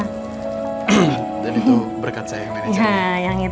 dan itu berkat saya yang manajernya